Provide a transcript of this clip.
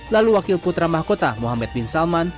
lalu wakil putra mahkota muhammad bin salman